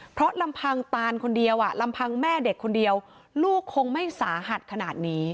เพราะลำพังตานคนเดียวลำพังแม่เด็กคนเดียวลูกคงไม่สาหัสขนาดนี้